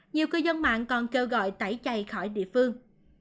nhiều cư dân mạng còn kêu gọi tẩy chay khỏi địa phương